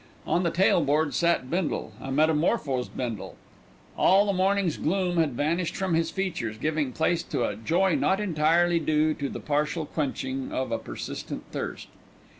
On the tail board sat Bindle, a metamorphosed Bindle. All the morning's gloom had vanished from his features, giving place to a joy not entirely due to the partial quenching of a persistent thirst.